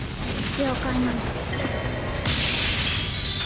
了解なの。